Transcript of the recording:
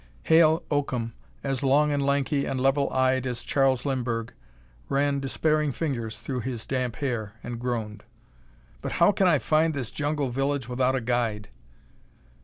Hale Oakham, as long and lanky and level eyed as Charles Lindbergh, ran despairing fingers through his damp hair and groaned. "But how can I find this jungle village without a guide?"